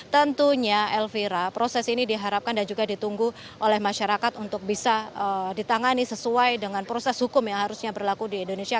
tentunya elvira proses ini diharapkan dan juga ditunggu oleh masyarakat untuk bisa ditangani sesuai dengan proses hukum yang harusnya berlaku di indonesia